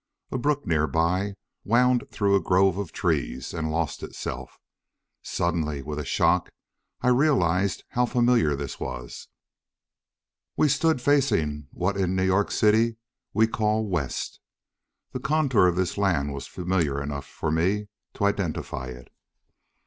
A brook nearby wound through a grove of trees and lost itself. Suddenly, with a shock, I realized how familiar this was! We stood facing what in New York City we call West. The contour of this land was familiar enough for me to identify it.